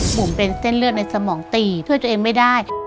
บุ๋มเป็นเส้นเลือดในสมองตีช่วยตัวเองไม่ได้